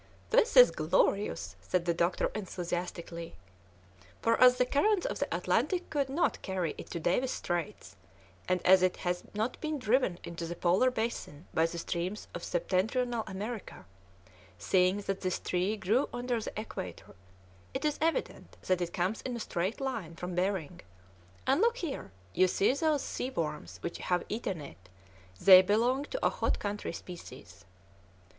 "This is glorious," said the doctor enthusiastically, "for as the currents of the Atlantic could not carry it to Davis's Straits, and as it has not been driven into the Polar basin by the streams of septentrional America, seeing that this tree grew under the Equator, it is evident that it comes in a straight line from Behring; and look here, you see those sea worms which have eaten it, they belong to a hot country species."